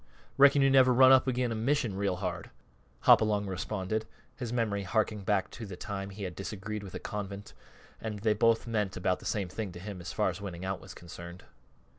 "Reckon you never run up agin' a mission real hard," Hopalong responded, his memory harking back to the time he had disagreed with a convent, and they both meant about the same to him as far as winning out was concerned.